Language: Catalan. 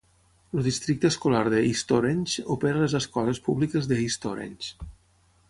El Districte Escolar de East Orange opera les escoles públiques de East Orange.